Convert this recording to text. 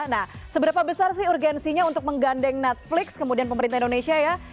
nah seberapa besar sih urgensinya untuk menggandeng netflix kemudian pemerintah indonesia ya